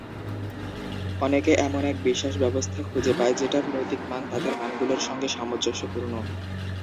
অনেকে এমন এক বিশ্বাস ব্যবস্থা খুঁজে পায়, যেটার নৈতিক মান তাদের মানগুলোর সঙ্গে সামঞ্জস্যপূর্ণ